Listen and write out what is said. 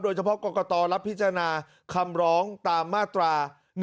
เฉพาะกรกตรับพิจารณาคำร้องตามมาตรา๑๑